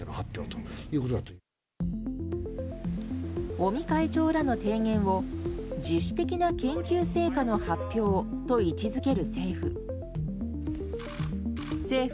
尾身会長らの提言を自主的な研究成果の発表と位置づける政府。